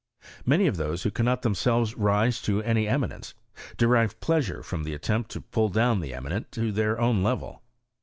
Many of those who cannot themselves rise to any eminence, derive pleasure from the attempt to pull down the eminent to their own level.